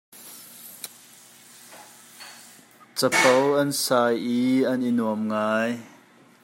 Capo an sai i an i nuam ngai.